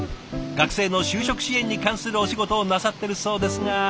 学生の就職支援に関するお仕事をなさってるそうですが。